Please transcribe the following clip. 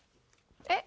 えっ？